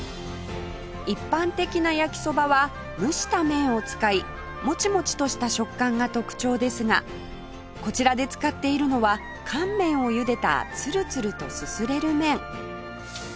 一般的な焼きそばは蒸した麺を使いモチモチとした食感が特徴ですがこちらで使っているのは乾麺をゆでたツルツルとすすれる麺